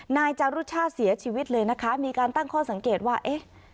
นายจารุชาติเสียชีวิตเลยนะคะมีการตั้งข้อสังเกตว่าเอ๊ะ